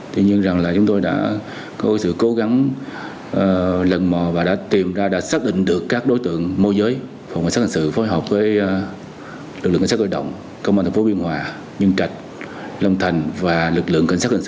tuy nhiên rằng là chúng tôi đã có sự cố gắng lần mò và đã tìm ra đã xác định được các đối tượng mua giới phòng bảo sát hành sự phối hợp với lực lượng cảnh sát cơ động công an thành phố biên hòa nhân trạch long thành và lực lượng cảnh sát hành sự